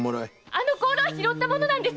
あの香炉は拾った物なんです。